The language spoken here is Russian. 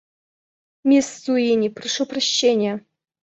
Мисс Суини, прошу прощения.